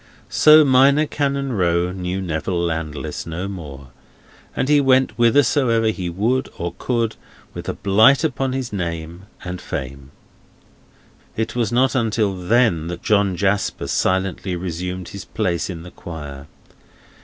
So Minor Canon Row knew Neville Landless no more; and he went whithersoever he would, or could, with a blight upon his name and fame. It was not until then that John Jasper silently resumed his place in the choir.